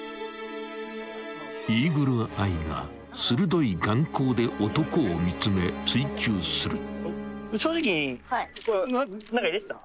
［イーグルアイが鋭い眼光で男を見つめ追及する］